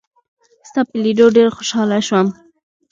ستا په لیدو ډېر خوشاله شوم.